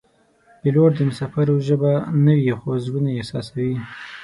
پیلوټ د مسافرو ژبه نه وي خو زړونه یې احساسوي.